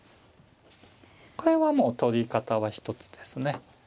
これはもう取り方は一つですね。